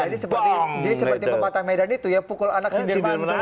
jadi seperti pemata medan itu ya pukul anak sindir bantu